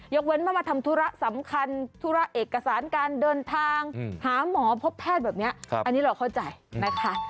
เว้นว่ามาทำธุระสำคัญธุระเอกสารการเดินทางหาหมอพบแพทย์แบบนี้อันนี้เราเข้าใจนะคะ